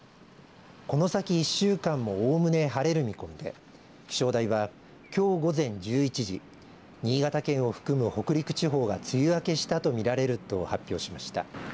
この先１週間もおおむね晴れる見込みで気象台はきょう午前１１時新潟県を含む北陸地方が梅雨明けしたと見られると発表しました。